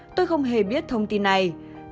tôi không hề biết thông tin này